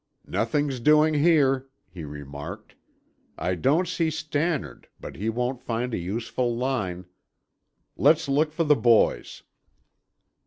"Nothing's doing there!" he remarked. "I don't see Stannard, but he won't find a useful line. Let's look for the boys."